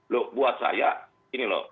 loh buat saya ini loh